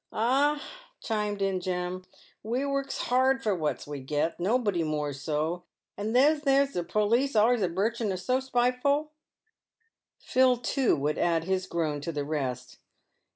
"Ah!" chimed in Jem, " we works hard for what we gets; no body more so. And then there's the perlice always a birching us so spiteful." Phil, too, would add his groan to the rest.